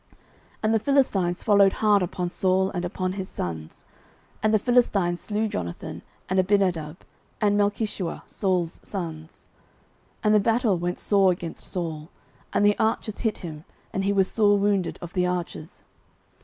09:031:002 And the Philistines followed hard upon Saul and upon his sons; and the Philistines slew Jonathan, and Abinadab, and Melchishua, Saul's sons. 09:031:003 And the battle went sore against Saul, and the archers hit him; and he was sore wounded of the archers.